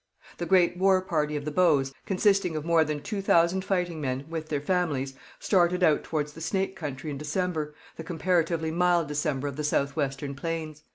The great war party of the Bows, consisting of more than two thousand fighting men, with their families, started out towards the Snake country in December, the comparatively mild December of the south western plains.